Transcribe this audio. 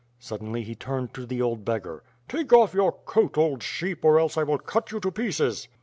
Suddenly he turned to the old beggar. "Take off your coat, old sheep, or else I will cut you to pieces."